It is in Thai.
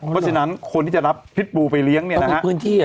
เพราะฉะนั้นคนที่จะรับพิษบูไปเลี้ยงเนี่ยนะฮะ